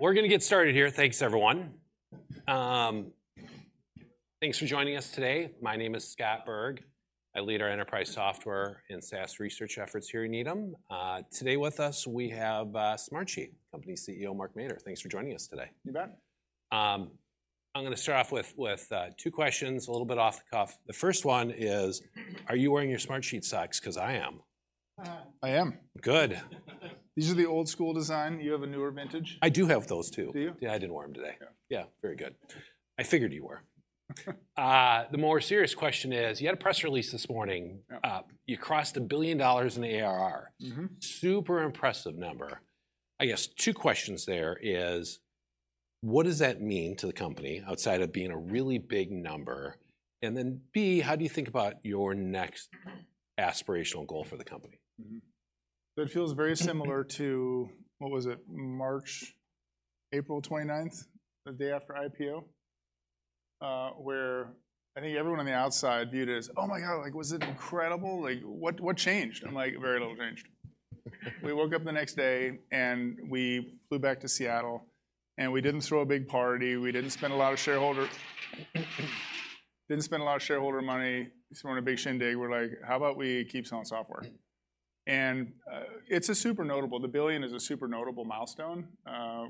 We're gonna get started here. Thanks, everyone. Thanks for joining us today. My name is Scott Berg. I lead our enterprise software and SaaS research efforts here at Needham. Today with us, we have Smartsheet company CEO, Mark Mader. Thanks for joining us today. You bet. I'm gonna start off with two questions, a little bit off the cuff. The first one is, are you wearing your Smartsheet socks? 'Cause I am. I am. Good. These are the old school design. You have a newer vintage? I do have those, too. Do you? Yeah, I didn't wear them today. Yeah. Yeah. Very good. I figured you were. The more serious question is, you had a press release this morning. Yep. You crossed $1 billion in the ARR. Mm-hmm. Super impressive number. I guess two questions there is, what does that mean to the company, outside of being a really big number? And then, B, how do you think about your next aspirational goal for the company? Mm-hmm. It feels very similar to, what was it? March, April twenty-ninth, the day after IPO, where I think everyone on the outside viewed it as: "Oh, my God! Like, was it incredible? Like, what, what changed?" I'm like: Very little changed. We woke up the next day, and we flew back to Seattle, and we didn't throw a big party. We didn't spend a lot of shareholder money, throwing a big shindig. We're like: "How about we keep selling software? Mm. It's a super notable the billion is a super notable milestone.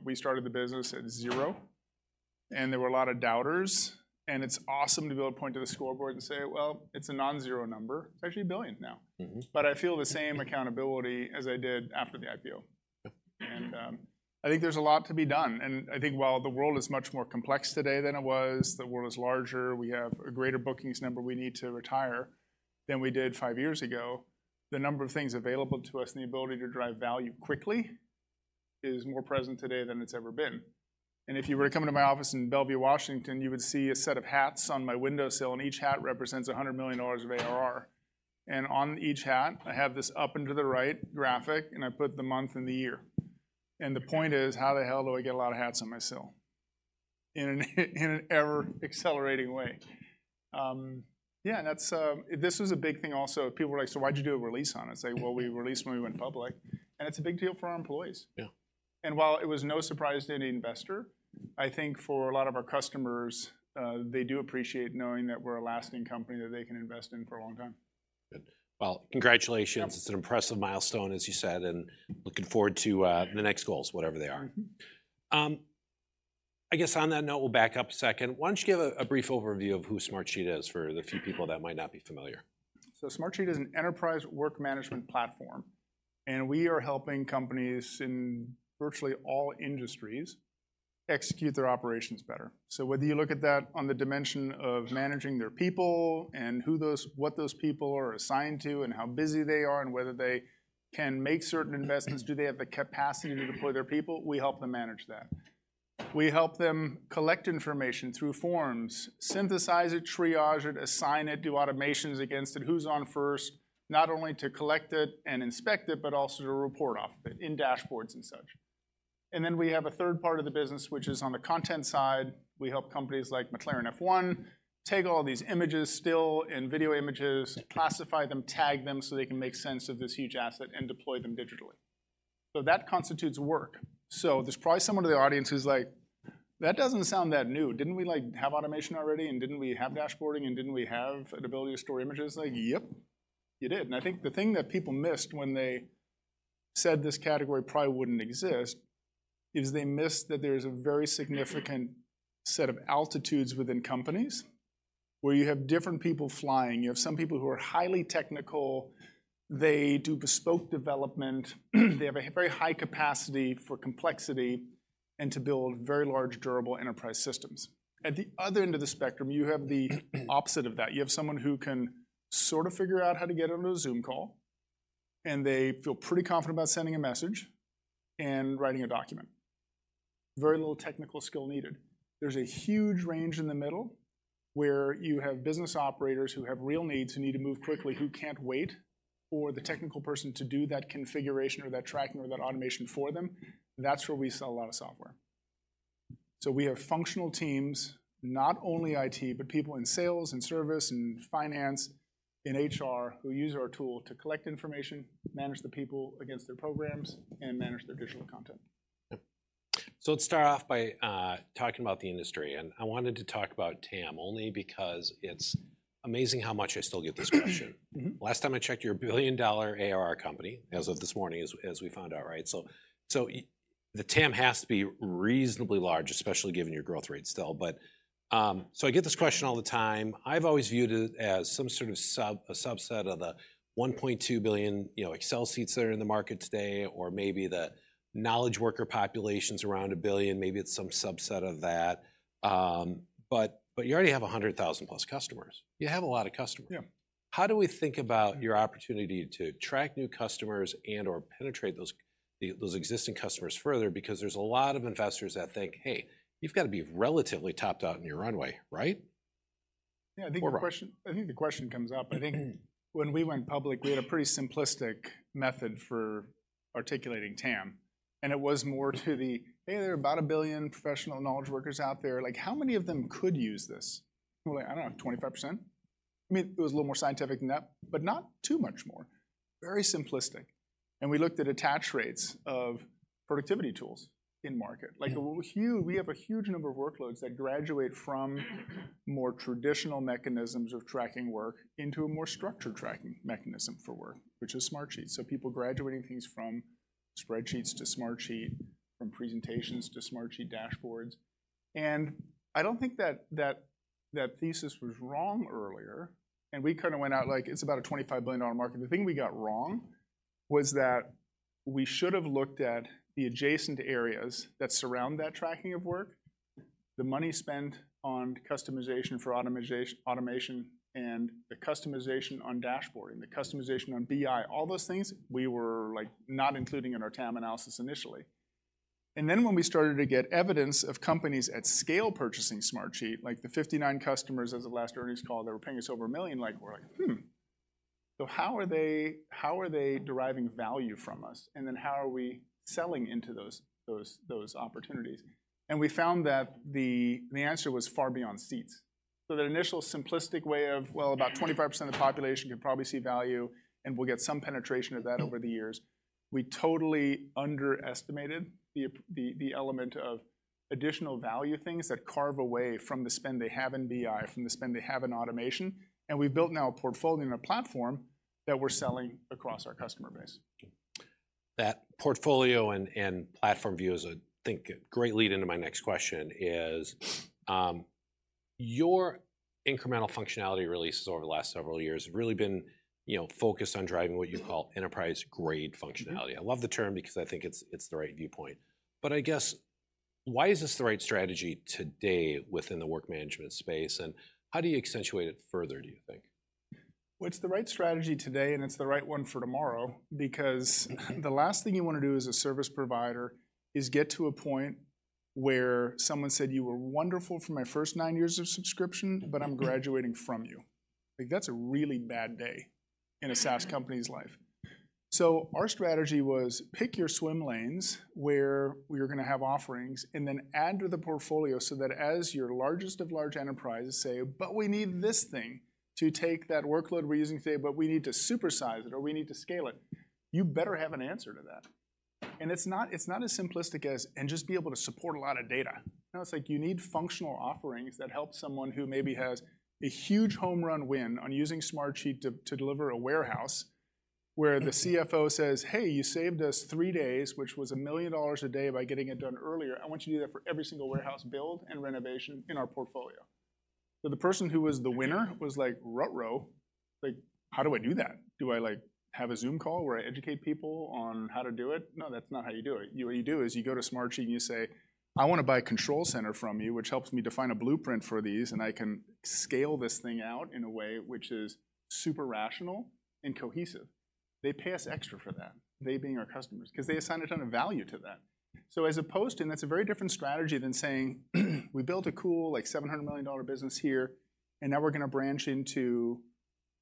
We started the business at zero, and there were a lot of doubters, and it's awesome to be able to point to the scoreboard and say: "Well, it's a non-zero number. It's actually a billion now. Mm-hmm. But I feel the same accountability as I did after the IPO. And I think there's a lot to be done, and I think while the world is much more complex today than it was, the world is larger, we have a greater bookings number we need to retire than we did five years ago. The number of things available to us and the ability to drive value quickly is more present today than it's ever been. And if you were to come into my office in Bellevue, Washington, you would see a set of hats on my windowsill, and each hat represents $100 million of ARR. And on each hat, I have this up and to the right graphic, and I put the month and the year. And the point is, how the hell do I get a lot of hats on my sill in an ever accelerating way? Yeah, and that's. This was a big thing, also. People were like: "So why'd you do a release on it?" I say, "Well, we released when we went public," and it's a big deal for our employees. Yeah. While it was no surprise to any investor, I think for a lot of our customers, they do appreciate knowing that we're a lasting company that they can invest in for a long time. Good. Well, congratulations. Yeah. It's an impressive milestone, as you said, and looking forward to the next goals, whatever they are. Mm-hmm. I guess on that note, we'll back up a second. Why don't you give a brief overview of who Smartsheet is, for the few people that might not be familiar? So Smartsheet is an enterprise work management platform, and we are helping companies in virtually all industries execute their operations better. So whether you look at that on the dimension of managing their people, and what those people are assigned to, and how busy they are, and whether they can make certain investments, do they have the capacity to deploy their people? We help them manage that. We help them collect information through forms, synthesize it, triage it, assign it, do automations against it, who's on first, not only to collect it and inspect it, but also to report off it in dashboards and such. And then we have a third part of the business, which is on the content side. We help companies like McLaren F1 take all these images, still and video images, classify them, tag them, so they can make sense of this huge asset and deploy them digitally. So that constitutes work. So there's probably someone in the audience who's like: "That doesn't sound that new. Didn't we, like, have automation already, and didn't we have dashboarding, and didn't we have an ability to store images?" Like, yep, you did. And I think the thing that people missed when they said this category probably wouldn't exist, is they missed that there's a very significant set of altitudes within companies, where you have different people flying. You have some people who are highly technical. They do bespoke development. They have a very high capacity for complexity and to build very large, durable enterprise systems. At the other end of the spectrum, you have the opposite of that. You have someone who can sort of figure out how to get onto a Zoom call, and they feel pretty confident about sending a message and writing a document. Very little technical skill needed. There's a huge range in the middle, where you have business operators who have real needs and need to move quickly, who can't wait for the technical person to do that configuration or that tracking or that automation for them. That's where we sell a lot of software. So we have functional teams, not only IT, but people in sales and service and finance, in HR, who use our tool to collect information, manage the people against their programs, and manage their digital content. Yep. So let's start off by talking about the industry, and I wanted to talk about TAM, only because it's amazing how much I still get this question. Mm-hmm. Last time I checked, you're a billion-dollar ARR company, as of this morning, as we found out, right? So the TAM has to be reasonably large, especially given your growth rate still. But so I get this question all the time. I've always viewed it as some sort of a subset of the 1.2 billion, you know, Excel seats that are in the market today, or maybe the knowledge worker population's around 1 billion, maybe it's some subset of that. But you already have 100,000-plus customers. You have a lot of customers. Yeah. How do we think about your opportunity to attract new customers and/or penetrate those existing customers further? Because there's a lot of investors that think, "Hey, you've got to be relatively topped out in your runway, right? Yeah, I think the question- Or- I think the question comes up. I think when we went public, we had a pretty simplistic method for articulating TAM, and it was more to the, "Hey, there are about 1 billion professional knowledge workers out there. Like, how many of them could use this?" We're like, "I don't know, 25%?" I mean, it was a little more scientific than that, but not too much more. Very simplistic, and we looked at attach rates of productivity tools in market. Like a huge, we have a huge number of workloads that graduate from more traditional mechanisms of tracking work into a more structured tracking mechanism for work, which is Smartsheet. So people graduating things from spreadsheets to Smartsheet dashboards. I don't think that thesis was wrong earlier, and we kind of went out like, "It's about a $25 billion market." The thing we got wrong was that we should have looked at the adjacent areas that surround that tracking of work, the money spent on customization for automation, and the customization on dashboarding, the customization on BI. All those things, we were, like, not including in our TAM analysis initially. And then when we started to get evidence of companies at scale purchasing Smartsheet, like the 59 customers as of the last earnings call, that were paying us over $1 million, like, we're like: Hmm, so how are they deriving value from us? And then how are we selling into those opportunities? And we found that the answer was far beyond seats. So the initial simplistic way of, well, about 25% of the population could probably see value, and we'll get some penetration of that over the years. We totally underestimated the element of additional value things that carve away from the spend they have in BI, from the spend they have in automation, and we've built now a portfolio and a platform that we're selling across our customer base. That portfolio and platform view is, I think, a great lead into my next question. Your incremental functionality releases over the last several years have really been, you know, focused on driving what you call enterprise-grade functionality. I love the term because I think it's the right viewpoint. But I guess, why is this the right strategy today within the work management space, and how do you accentuate it further, do you think? Well, it's the right strategy today, and it's the right one for tomorrow because the last thing you want to do as a service provider is get to a point where someone said, "You were wonderful for my first nine years of subscription, but I'm graduating from you." Like, that's a really bad day in a SaaS company's life. So our strategy was pick your swim lanes where we are gonna have offerings, and then add to the portfolio so that as your largest of large enterprises say, "But we need this thing to take that workload we're using today, but we need to supersize it, or we need to scale it," you better have an answer to that. And it's not, it's not as simplistic as: and just be able to support a lot of data. No, it's like you need functional offerings that help someone who maybe has a huge home run win on using Smartsheet to deliver a warehouse, where the CFO says: "Hey, you saved us three days, which was $1 million a day, by getting it done earlier. I want you to do that for every single warehouse build and renovation in our portfolio." So the person who was the winner was like: Ruh-roh! Like, how do I do that? Do I, like, have a Zoom call where I educate people on how to do it? No, that's not how you do it. What you do is you go to Smartsheet and you say: "I want to buy a Control Center from you, which helps me define a blueprint for these, and I can scale this thing out in a way which is super rational and cohesive." They pay us extra for that, they being our customers, 'cause they assign a ton of value to that. So as opposed... And that's a very different strategy than saying, "We built a cool, like, $700 million business here, and now we're gonna branch into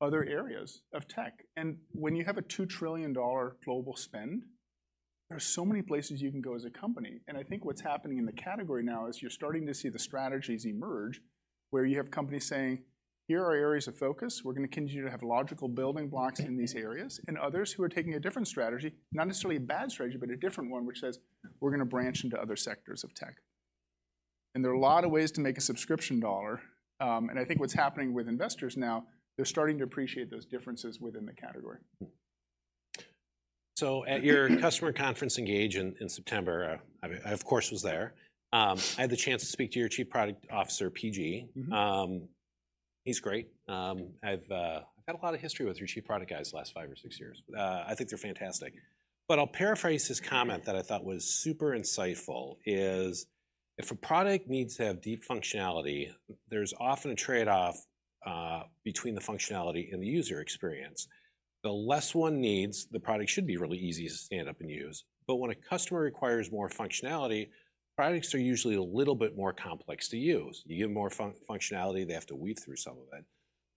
other areas of tech." And when you have a $2 trillion global spend, there are so many places you can go as a company. And I think what's happening in the category now is you're starting to see the strategies emerge, where you have companies saying: Here are our areas of focus. We're gonna continue to have logical building blocks in these areas. And others who are taking a different strategy, not necessarily a bad strategy, but a different one, which says: We're gonna branch into other sectors of tech. And there are a lot of ways to make a subscription dollar. And I think what's happening with investors now, they're starting to appreciate those differences within the category. So at your customer conference, ENGAGE, in September, I, of course, was there. I had the chance to speak to your Chief Product Officer, PG. Mm-hmm. He's great. I've had a lot of history with your chief product guys the last five or six years. I think they're fantastic. But I'll paraphrase his comment that I thought was super insightful: if a product needs to have deep functionality, there's often a trade-off between the functionality and the user experience. The less one needs, the product should be really easy to stand up and use. But when a customer requires more functionality, products are usually a little bit more complex to use. You give more functionality, they have to weave through some of it.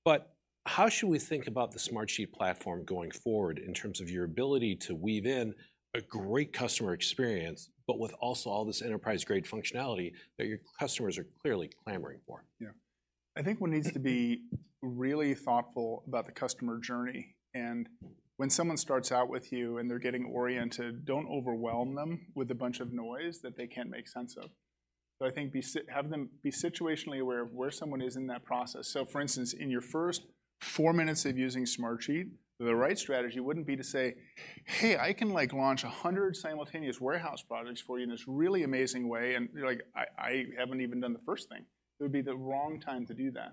But how should we think about the Smartsheet platform going forward in terms of your ability to weave in a great customer experience, but with also all this enterprise-grade functionality that your customers are clearly clamoring for? Yeah. I think one needs to be really thoughtful about the customer journey. And when someone starts out with you, and they're getting oriented, don't overwhelm them with a bunch of noise that they can't make sense of. So I think be situationally aware of where someone is in that process. So, for instance, in your first four minutes of using Smartsheet, the right strategy wouldn't be to say: "Hey, I can, like, launch 100 simultaneous warehouse projects for you in this really amazing way," and you're like, I haven't even done the first thing. It would be the wrong time to do that.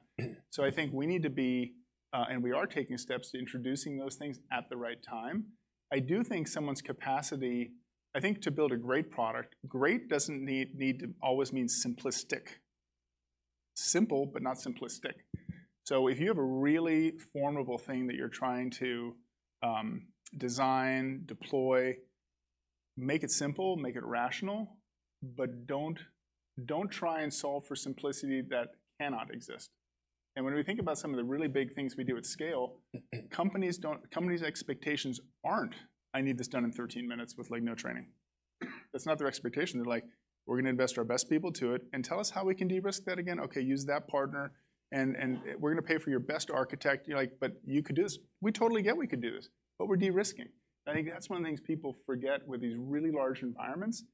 So I think we need to be, and we are taking steps to introducing those things at the right time. I do think someone's capacity... I think, to build a great product, great doesn't need to always mean simplistic. Simple, but not simplistic. So if you have a really formidable thing that you're trying to design, deploy, make it simple, make it rational, but don't, don't try and solve for simplicity that cannot exist. And when we think about some of the really big things we do at scale, companies don't- companies' expectations aren't, "I need this done in 13 minutes with, like, no training."... That's not their expectation. They're like: "We're gonna invest our best people to it, and tell us how we can de-risk that again? Okay, use that partner, and, and we're gonna pay for your best architect." You're like: "But you could do this." "We totally get we could do this, but we're de-risking." I think that's one of the things people forget with these really large environments.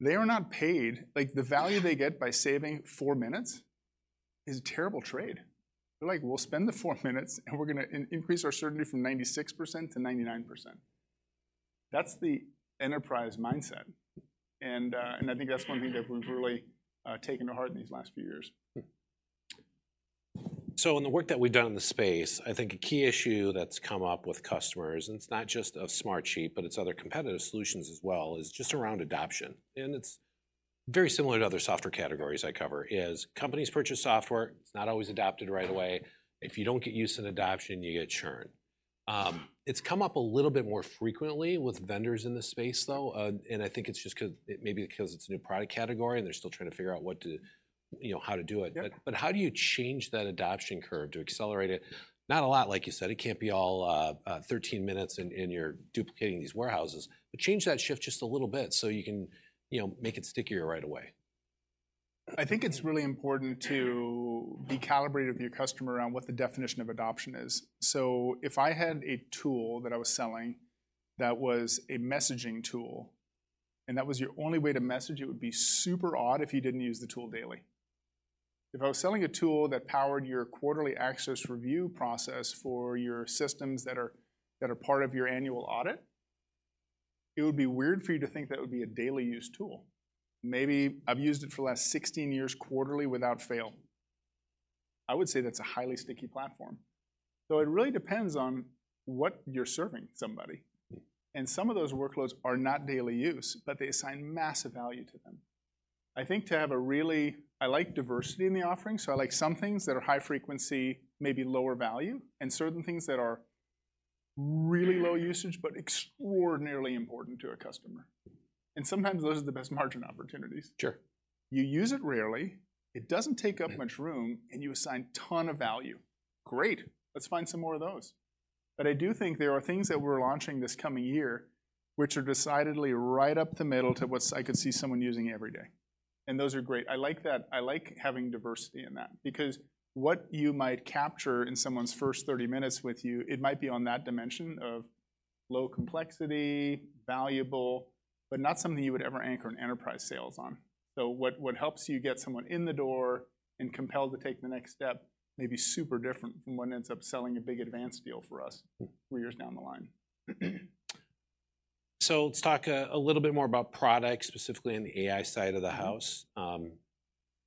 They are not paid... Like, the value they get by saving four minutes is a terrible trade. They're like: "We'll spend the four minutes, and we're gonna increase our certainty from 96% to 99%." That's the enterprise mindset, and, and I think that's one thing that we've really taken to heart in these last few years. So in the work that we've done in the space, I think a key issue that's come up with customers, and it's not just of Smartsheet, but it's other competitive solutions as well, is just around adoption. And it's very similar to other software categories I cover, is companies purchase software. It's not always adopted right away. If you don't get use in adoption, you get churn. It's come up a little bit more frequently with vendors in the space, though, and I think it's just 'cause, it maybe because it's a new product category, and they're still trying to figure out what to, you know, how to do it. Yep. But how do you change that adoption curve to accelerate it? Not a lot, like you said. It can't be all 13 minutes, and you're duplicating these warehouses, but change that shift just a little bit, so you can, you know, make it stickier right away. I think it's really important to be calibrated with your customer around what the definition of adoption is. So if I had a tool that I was selling, that was a messaging tool, and that was your only way to message, it would be super odd if you didn't use the tool daily. If I was selling a tool that powered your quarterly access review process for your systems that are part of your annual audit, it would be weird for you to think that would be a daily use tool. Maybe I've used it for the last 16 years quarterly without fail. I would say that's a highly sticky platform. So it really depends on what you're serving somebody- Hmm. and some of those workloads are not daily use, but they assign massive value to them. I think to have a really... I like diversity in the offering, so I like some things that are high frequency, maybe lower value, and certain things that are really low usage but extraordinarily important to a customer. And sometimes those are the best margin opportunities. Sure. You use it rarely, it doesn't take up much room- Yeah. and you assign ton of value. Great! Let's find some more of those. But I do think there are things that we're launching this coming year, which are decidedly right up the middle to what I could see someone using every day, and those are great. I like that. I like having diversity in that, because what you might capture in someone's first 30 minutes with you, it might be on that dimension of low complexity, valuable, but not something you would ever anchor an enterprise sales on. So what, what helps you get someone in the door and compelled to take the next step may be super different from what ends up selling a big Advance deal for us- Hmm... four years down the line. So let's talk a little bit more about product, specifically on the AI side of the house. Mm-hmm.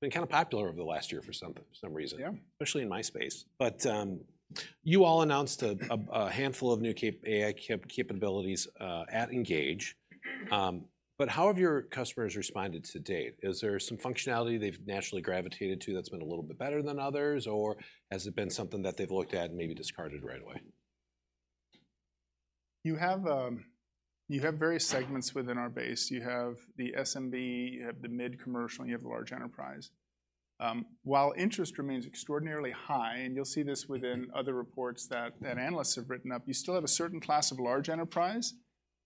It's been kinda popular over the last year for some reason- Yeah especially in my space. But you all announced a handful of new AI capabilities at ENGAGE. But how have your customers responded to date? Is there some functionality they've naturally gravitated to, that's been a little bit better than others, or has it been something that they've looked at and maybe discarded right away? You have, you have various segments within our base. You have the SMB, you have the mid commercial, and you have the large enterprise. While interest remains extraordinarily high, and you'll see this within other reports that, that analysts have written up, you still have a certain class of large enterprise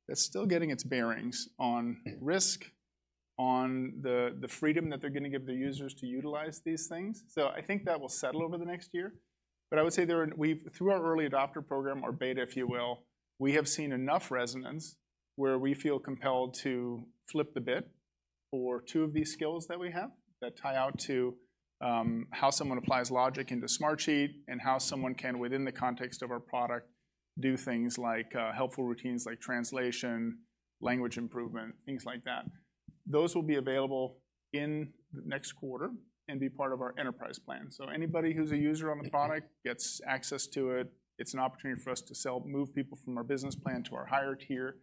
that's still getting its bearings on risk- Hmm on the freedom that they're gonna give their users to utilize these things. So I think that will settle over the next year. But I would say we've through our early adopter program, or beta, if you will, we have seen enough resonance where we feel compelled to flip the bit for two of these skills that we have, that tie out to how someone applies logic into Smartsheet and how someone can, within the context of our product, do things like helpful routines like translation, language improvement, things like that. Those will be available in the next quarter and be part of our enterprise plan. So anybody who's a user on the product gets access to it. It's an opportunity for us to sell move people from our business plan to our higher tier.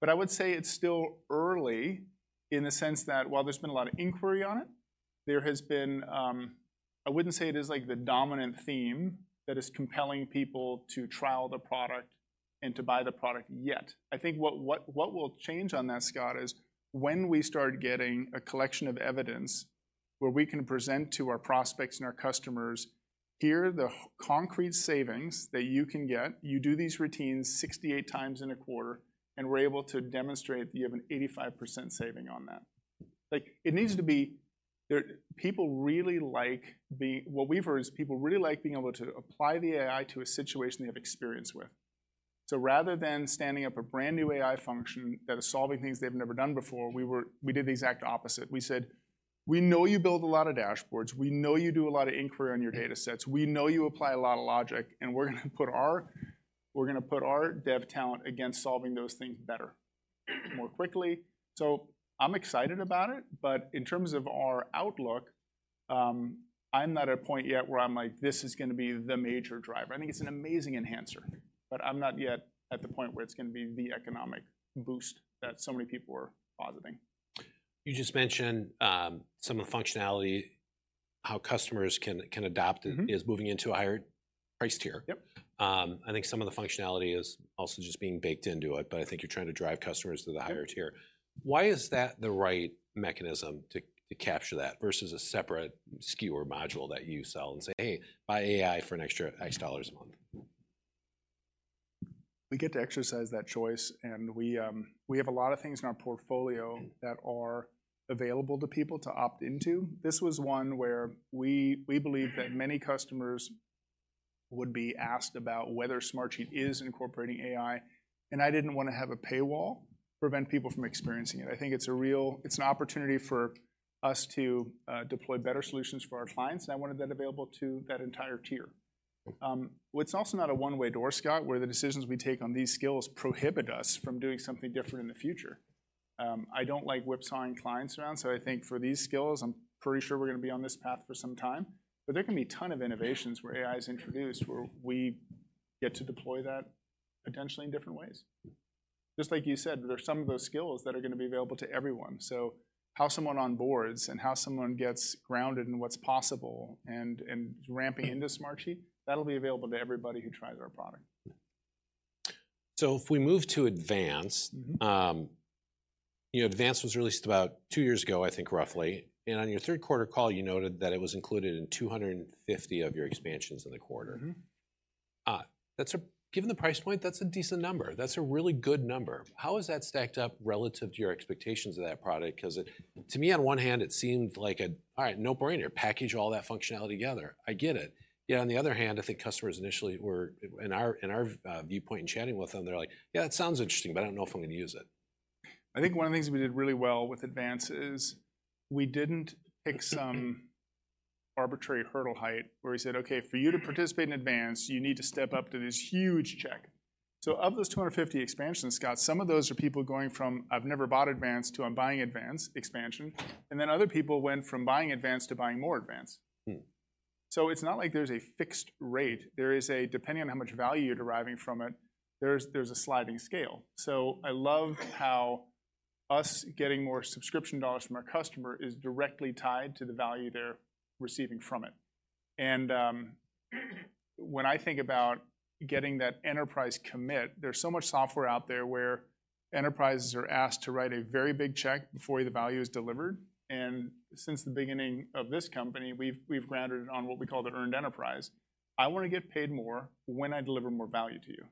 But I would say it's still early, in the sense that, while there's been a lot of inquiry on it, there has been... I wouldn't say it is, like, the dominant theme that is compelling people to trial the product and to buy the product yet. I think what will change on that, Scott, is when we start getting a collection of evidence where we can present to our prospects and our customers, "Here are the concrete savings that you can get. You do these routines 68 times in a quarter," and we're able to demonstrate that you have an 85% saving on that. Like, it needs to be... People really like being-- What we've heard is people really like being able to apply the AI to a situation they have experience with. So rather than standing up a brand-new AI function that is solving things they've never done before, we did the exact opposite. We said: We know you build a lot of dashboards. We know you do a lot of inquiry on your data sets. We know you apply a lot of logic, and we're gonna put our, we're gonna put our dev talent against solving those things better, more quickly. So I'm excited about it, but in terms of our outlook, I'm not at a point yet where I'm like, "This is gonna be the major driver." I think it's an amazing enhancer, but I'm not yet at the point where it's gonna be the economic boost that so many people are positing. You just mentioned some of the functionality, how customers can adopt- Mm-hmm... is moving into a higher price tier. Yep. I think some of the functionality is also just being baked into it, but I think you're trying to drive customers to the higher tier. Yep. Why is that the right mechanism to capture that versus a separate SKU or module that you sell and say, "Hey, buy AI for an extra $X a month?... We get to exercise that choice, and we have a lot of things in our portfolio that are available to people to opt into. This was one where we believe that many customers would be asked about whether Smartsheet is incorporating AI, and I didn't want to have a paywall prevent people from experiencing it. I think it's an opportunity for us to deploy better solutions for our clients, and I wanted that available to that entire tier. Well, it's also not a one-way door, Scott, where the decisions we take on these skills prohibit us from doing something different in the future. I don't like whipsawing clients around, so I think for these skills, I'm pretty sure we're gonna be on this path for some time. But there can be a ton of innovations where AI is introduced, where we get to deploy that potentially in different ways. Just like you said, there are some of those skills that are gonna be available to everyone. So how someone onboards and how someone gets grounded in what's possible and ramping into Smartsheet, that'll be available to everybody who tries our product. If we move to Advance, Mm-hmm. You know, Advance was released about two years ago, I think, roughly. And on your third quarter call, you noted that it was included in 250 of your expansions in the quarter. Mm-hmm. That's a decent number. That's a really good number. How has that stacked up relative to your expectations of that product? 'Cause it to me, on one hand, it seemed like a, all right, no-brainer. Package all that functionality together. I get it. Yet on the other hand, I think customers initially were... In our viewpoint in chatting with them, they're like: "Yeah, it sounds interesting, but I don't know if I'm going to use it. I think one of the things we did really well with Advance is we didn't pick some arbitrary hurdle height, where we said: "Okay, for you to participate in Advance, you need to step up to this huge check." So of those 250 expansions, Scott, some of those are people going from, "I've never bought Advance," to, "I'm buying Advance" expansion, and then other people went from buying Advance to buying more Advance. Hmm. So it's not like there's a fixed rate. There is a, depending on how much value you're deriving from it, there's a sliding scale. So I love how us getting more subscription dollars from our customer is directly tied to the value they're receiving from it. And, when I think about getting that enterprise commit, there's so much software out there where enterprises are asked to write a very big check before the value is delivered. And since the beginning of this company, we've grounded it on what we call the earned enterprise. I want to get paid more when I deliver more value to you.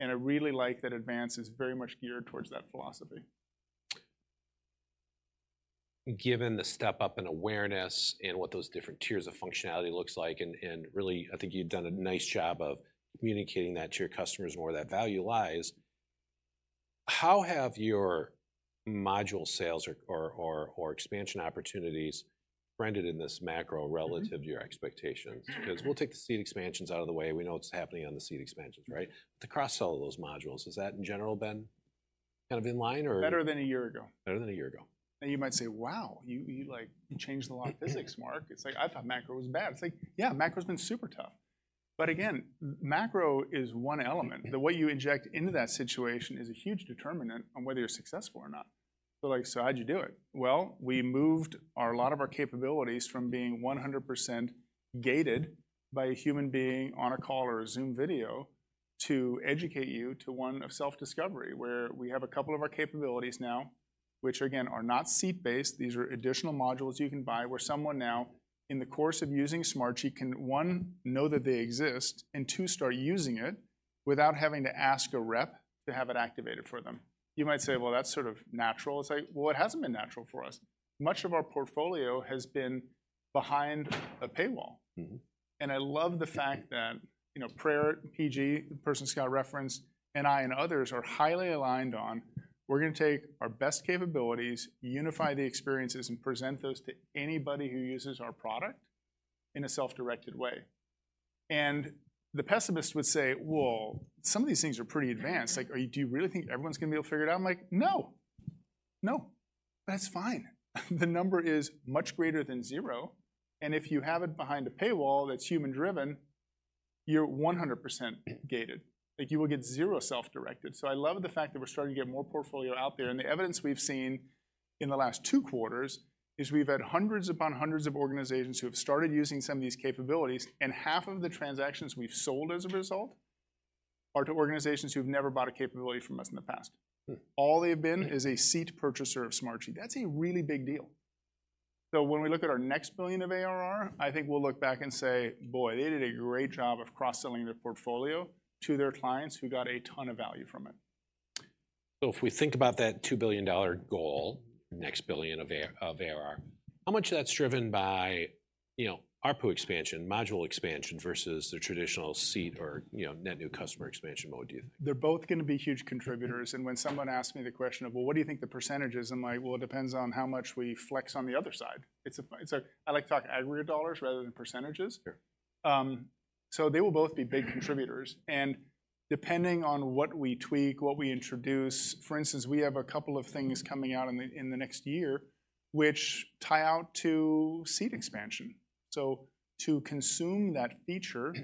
And I really like that Advance is very much geared towards that philosophy. Given the step up in awareness and what those different tiers of functionality looks like, and really, I think you've done a nice job of communicating that to your customers and where that value lies. How have your module sales or expansion opportunities rendered in this macro relative- Mm-hmm... to your expectations? 'Cause we'll take the seat expansions out of the way. We know what's happening on the seat expansions, right? To cross-sell those modules, has that, in general, been kind of in line or- Better than a year ago. Better than a year ago. And you might say, "Wow, you, like, changed a lot of physics, Mark. It's like, I thought macro was bad." It's like, yeah, macro's been super tough. But again, macro is one element. Yeah. The way you inject into that situation is a huge determinant on whether you're successful or not. But like, so how'd you do it? Well, we moved our, a lot of our capabilities from being 100% gated by a human being on a call or a Zoom video to educate you, to one of self-discovery, where we have a couple of our capabilities now, which, again, are not seat based. These are additional modules you can buy, where someone now, in the course of using Smartsheet, can, one, know that they exist, and two, start using it without having to ask a rep to have it activated for them. You might say, "Well, that's sort of natural." It's like: Well, it hasn't been natural for us. Much of our portfolio has been behind a paywall. Mm-hmm. And I love the fact that, you know, Praerit, PG, the person Scott referenced, and I and others are highly aligned on, we're gonna take our best capabilities, unify the experiences, and present those to anybody who uses our product in a self-directed way. And the pessimist would say: "Well, some of these things are pretty advanced. Like, are you do you really think everyone's gonna be able to figure it out?" I'm like: "No. No. But that's fine." The number is much greater than zero, and if you have it behind a paywall that's human driven, you're 100% gated. Like, you will get zero self-directed. I love the fact that we're starting to get more portfolio out there, and the evidence we've seen in the last two quarters is we've had hundreds upon hundreds of organizations who have started using some of these capabilities, and half of the transactions we've sold as a result are to organizations who've never bought a capability from us in the past. Hmm. All they've been is a seat purchaser of Smartsheet. That's a really big deal. So when we look at our next $1 billion of ARR, I think we'll look back and say: "Boy, they did a great job of cross selling their portfolio to their clients who got a ton of value from it. So if we think about that $2 billion goal, next $1 billion of ARR, how much of that's driven by, you know, ARPU expansion, module expansion, versus the traditional seat or, you know, net new customer expansion mode, do you think? They're both gonna be huge contributors, and when someone asks me the question of, "Well, what do you think the percentage is?" I'm like: "Well, it depends on how much we flex on the other side." It's a fucking, so I like to talk aggregate dollars rather than percentages. Sure. So they will both be big contributors, and depending on what we tweak, what we introduce. For instance, we have a couple of things coming out in the next year, which tie out to seat expansion. So to consume that feature,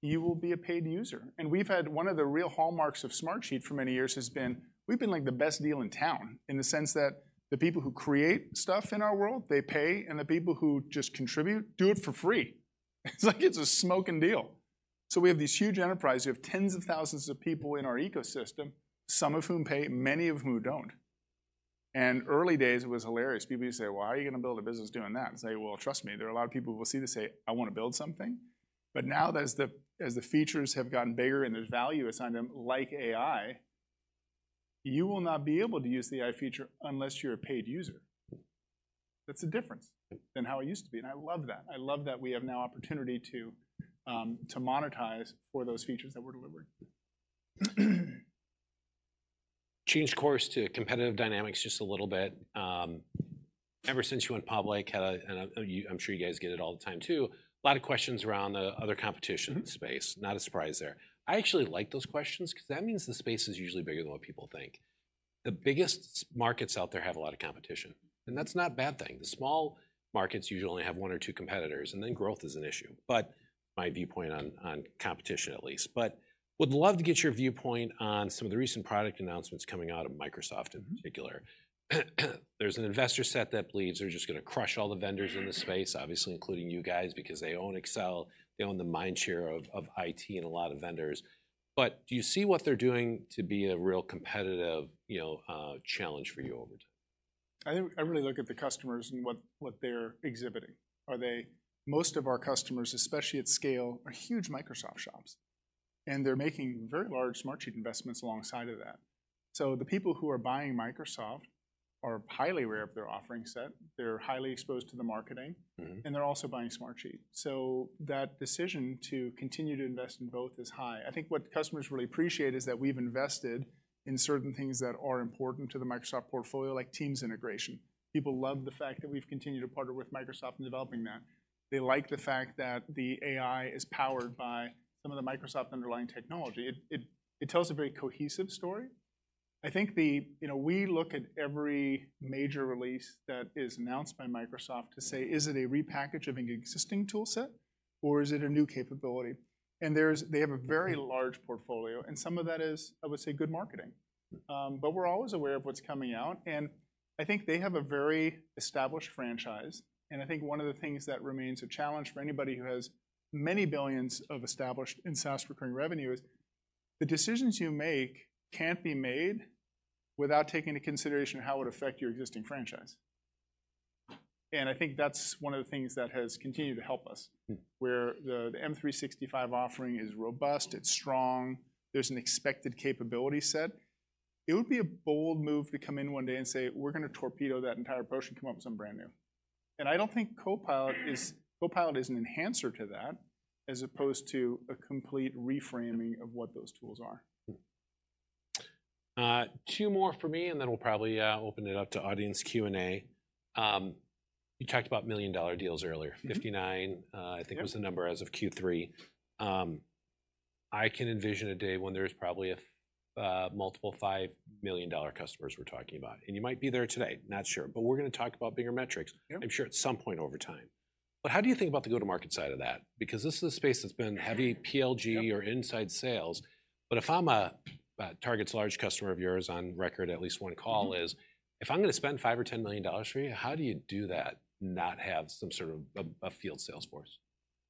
you will be a paid user. And we've had one of the real hallmarks of Smartsheet for many years has been, we've been, like, the best deal in town, in the sense that the people who create stuff in our world, they pay, and the people who just contribute, do it for free. It's like it's a smoking deal. So we have these huge enterprise. We have tens of thousands of people in our ecosystem, some of whom pay, many of whom don't. And early days, it was hilarious. People used to say: "Well, how are you going to build a business doing that?" And I'd say, "Well, trust me, there are a lot of people who will see this, say, 'I want to build something.'" But now, as the features have gotten bigger and there's value assigned to them, like AI, you will not be able to use the AI feature unless you're a paid user. That's a difference than how it used to be, and I love that. I love that we have now opportunity to monetize for those features that we're delivering. Change course to competitive dynamics just a little bit. Ever since you went public, I'm sure you guys get it all the time, too, a lot of questions around the other competition- Mm-hmm in the space. Not a surprise there. I actually like those questions because that means the space is usually bigger than what people think. The biggest markets out there have a lot of competition, and that's not a bad thing. The small markets usually only have one or two competitors, and then growth is an issue, but my viewpoint on competition at least. But would love to get your viewpoint on some of the recent product announcements coming out of Microsoft- Mm-hmm... in particular. There's an investor set that believes they're just going to crush all the vendors in the space, obviously, including you guys, because they own Excel, they own the mind share of, of IT and a lot of vendors. But do you see what they're doing to be a real competitive, you know, challenge for you over time? I really look at the customers and what they're exhibiting. Are they, most of our customers, especially at scale, are huge Microsoft shops, and they're making very large Smartsheet investments alongside of that. So the people who are buying Microsoft are highly aware of their offering set, they're highly exposed to the marketing- Mm-hmm. And they're also buying Smartsheet. So that decision to continue to invest in both is high. I think what customers really appreciate is that we've invested in certain things that are important to the Microsoft portfolio, like Teams integration. People love the fact that we've continued to partner with Microsoft in developing that. They like the fact that the AI is powered by some of the Microsoft underlying technology. It tells a very cohesive story. I think the... You know, we look at every major release that is announced by Microsoft to say: Is it a repackage of an existing tool set, or is it a new capability? And there's, they have a very large portfolio, and some of that is, I would say, good marketing. Mm-hmm. But we're always aware of what's coming out, and I think they have a very established franchise. I think one of the things that remains a challenge for anybody who has many billions of established and SaaS recurring revenue is the decisions you make can't be made without taking into consideration how it would affect your existing franchise. I think that's one of the things that has continued to help us. Hmm. Where the M365 offering is robust, it's strong, there's an expected capability set. It would be a bold move to come in one day and say, "We're going to torpedo that entire approach and come up with something brand new." And I don't think Copilot is, Copilot is an enhancer to that, as opposed to a complete reframing of what those tools are. Hmm. Two more from me, and then we'll probably open it up to audience Q&A. You talked about million-dollar deals earlier. Mm-hmm. Fifty nine, uh Yep I think, was the number as of Q3. I can envision a day when there is probably a, multiple $5 million customers we're talking about, and you might be there today, not sure. But we're going to talk about bigger metrics- Yep... I'm sure, at some point over time. But how do you think about the go-to-market side of that? Because this is a space that's been heavy PLG- Yep... or inside sales, but if I'm Target's large customer of yours on record, at least one call is- Mm-hmm. If I'm going to spend $5 million or $10 million for you, how do you do that and not have some sort of a field sales force?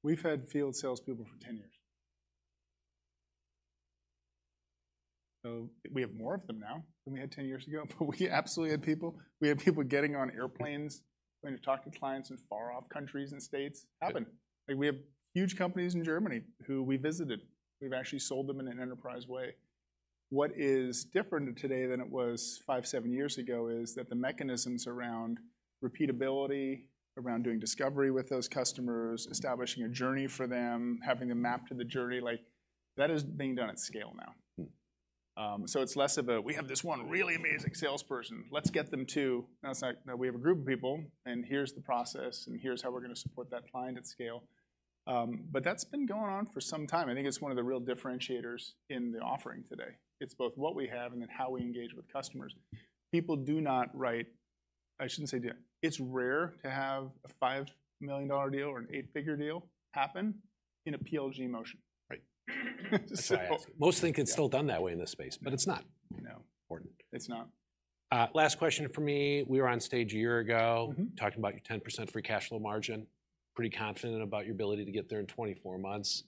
We've had field sales people for 10 years. So we have more of them now than we had 10 years ago, but we absolutely had people. We had people getting on airplanes, going to talk to clients in far-off countries and states. Yep. Happened. Like, we have huge companies in Germany who we visited. We've actually sold them in an enterprise way. What is different today than it was five, seven years ago is that the mechanisms around repeatability, around doing discovery with those customers, establishing a journey for them, having a map to the journey, like, that is being done at scale now. Hmm. So it's less of a, "We have this one really amazing salesperson. Let's get them two." Now, it's like, now we have a group of people, and here's the process, and here's how we're going to support that client at scale. But that's been going on for some time. I think it's one of the real differentiators in the offering today. It's both what we have and then how we engage with customers. People do not write... I shouldn't say do, it's rare to have a $5 million deal or an eight-figure deal happen in a PLG motion. Right. So- Most think it's still done that way in this space, but it's not- No... important. It's not. Last question from me. We were on stage a year ago- Mm-hmm... talking about your 10% free cash flow margin. Pretty confident about your ability to get there in 24 months.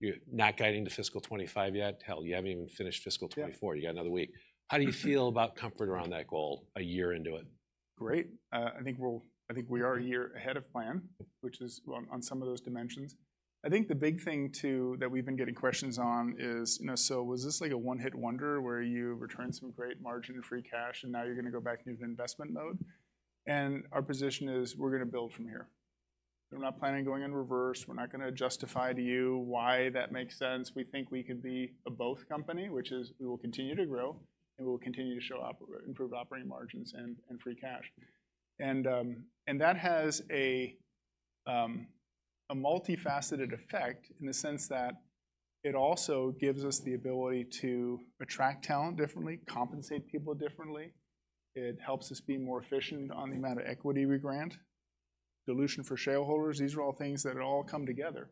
You're not guiding to fiscal 2025 yet. Hell, you haven't even finished fiscal 2024. Yeah. You got another week. How do you feel about comfort around that goal a year into it? Great. I think we're, I think we are a year ahead of plan, which is on some of those dimensions. I think the big thing, too, that we've been getting questions on is, you know, so was this like a one-hit wonder, where you returned some great margin and free cash, and now you're going to go back into investment mode? Our position is, we're going to build from here. We're not planning on going in reverse. We're not going to justify to you why that makes sense. We think we could be a both company, which is, we will continue to grow, and we will continue to show improved operating margins and free cash. And that has a multifaceted effect in the sense that it also gives us the ability to attract talent differently, compensate people differently. It helps us be more efficient on the amount of equity we grant, dilution for shareholders. These are all things that all come together.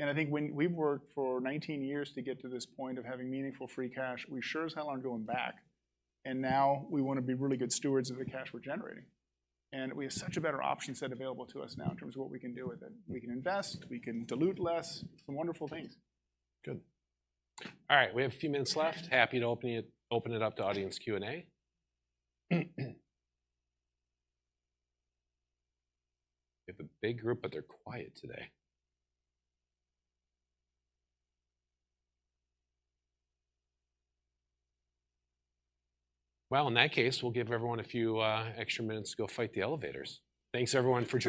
And I think when we've worked for 19 years to get to this point of having meaningful free cash, we sure as hell aren't going back. And now we want to be really good stewards of the cash we're generating, and we have such a better option set available to us now in terms of what we can do with it. We can invest, we can dilute less, some wonderful things. Good. All right, we have a few minutes left. Happy to open it up to audience Q&A. We have a big group, but they're quiet today. Well, in that case, we'll give everyone a few extra minutes to go fight the elevators. Thanks, everyone, for joining,